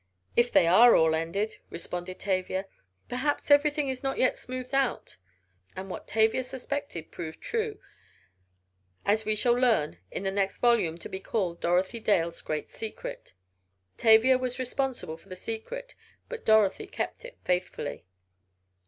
"If they are all ended," responded Tavia. "Perhaps everything is not yet smoothed out." And what Tavia suspected proved true, as we shall learn in the next volume, to be called "Dorothy Dale's Great Secret." Tavia was responsible for the secret, but Dorothy kept it faithfully.